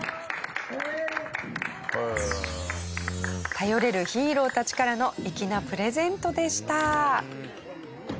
頼れるヒーローたちからの粋なプレゼントでした。